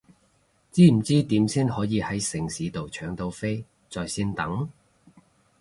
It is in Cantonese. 知唔知點先可以係城市到搶到飛在線等？